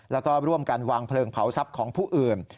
แล้วก็ร่วมกันวางเพลิงเผาทรัพย์ของผู้อื่น